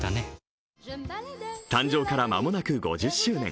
誕生から間もなく５０周年。